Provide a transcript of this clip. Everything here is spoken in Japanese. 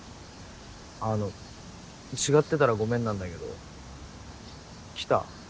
あの違ってたらごめんなんだけど来た？